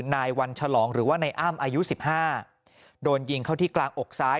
นายวันฉลองหรือว่านายอ้ำอายุ๑๕โดนยิงเข้าที่กลางอกซ้าย